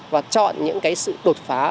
và chọn những cái sự đột phá